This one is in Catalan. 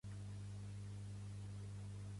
Taylor va néixer a Lexington, Tennessee.